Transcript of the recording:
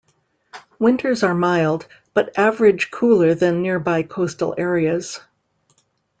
Winters are mild, but average cooler than nearby coastal areas.